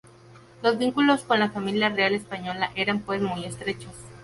Los vínculos con la Familia real española eran pues muy estrechos.